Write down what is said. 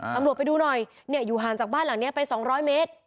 ตำรวจไปดูหน่อยเนี่ยอยู่ห่างจากบ้านหลังเนี่ยไป๒๐๐เมตร